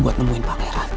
buat ngeluelah pangeran